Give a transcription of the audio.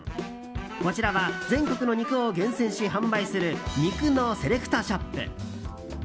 こちらは全国の肉を厳選し販売する肉のセレクトショップ。